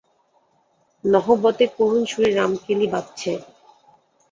নহবতে করুণ সুরে রামকেলি বাজছে।